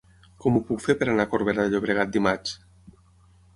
Com ho puc fer per anar a Corbera de Llobregat dimarts?